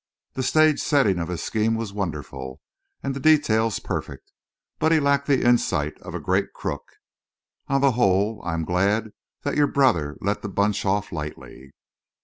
The stage setting of his scheme was wonderful and the details perfect, but he lacked the insight of a great crook. On the whole I am glad that your brother let the bunch off lightly."